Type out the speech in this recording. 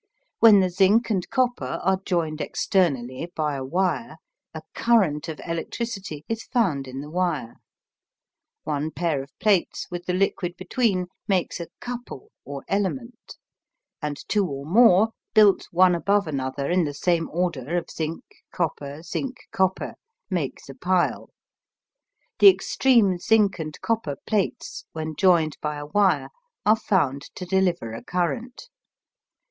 When the zinc and copper are joined externally by a wire, a CURRENT of electricity is found in the wire One pair of plates with the liquid between makes a "couple" or element; and two or more, built one above another in the same order of zinc, copper, zinc, copper, make the pile. The extreme zinc and copper plates, when joined by a wire, are found to deliver a current.